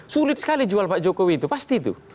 sulit sekali jual pak jokowi itu pasti itu